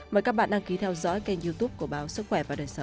mời các bạn đăng ký theo dõi kênh youtube của báo sức khỏe và đời sau